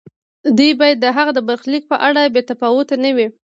دوی باید د هغه د برخلیک په اړه بې تفاوت نه وي.